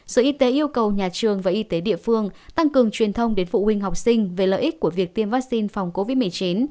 sở y tế yêu cầu nhà trường và y tế địa phương tăng cường truyền thông đến phụ huynh học sinh về lợi ích của việc tiêm vaccine phòng covid một mươi chín